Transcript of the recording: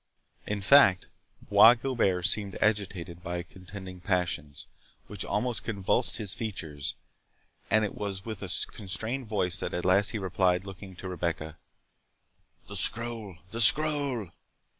In fact, Bois Guilbert seemed agitated by contending passions, which almost convulsed his features, and it was with a constrained voice that at last he replied, looking to Rebecca,—"The scroll!—the scroll!"